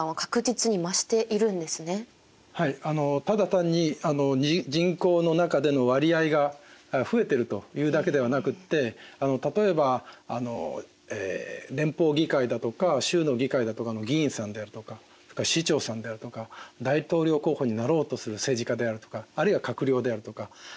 ただ単に人口の中での割合が増えてるというだけではなくって例えば連邦議会だとか州の議会だとかの議員さんであるとか市長さんであるとか大統領候補になろうとする政治家であるとかあるいは閣僚であるとか。